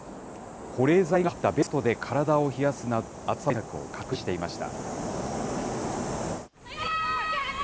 保冷剤が入ったベストで体を冷やすなど、暑さ対策を確認していました。